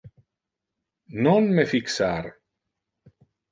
Non me fixar.